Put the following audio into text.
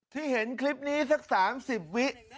ที่เห็นคลิปนี้สัก๓๐วิ